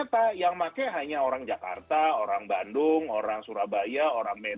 nanti ternyata yang makanya hanya orang jakarta orang bandung orang surabaya orang indonesia